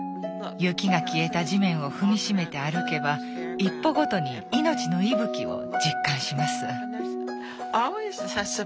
雪が消えた地面を踏みしめて歩けば一歩ごとに命の息吹を実感します。